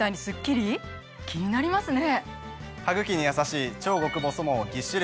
気になりますね。